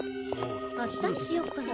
あしたにしよっかな。